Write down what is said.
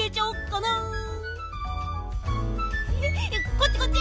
こっちこっち！